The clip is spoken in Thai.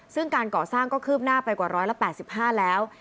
ซึ่งการก่อสร้างก็คืบหน้าไปกว่า๑๘๕แล้ว